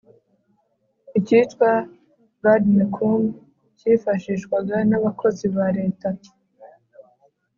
ikitwa Vade Mecum kifashishwaga n abakozi ba Leta